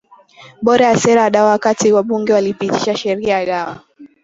bora ya sera ya dawaWakati wabunge walipitisha Sheria ya Dawa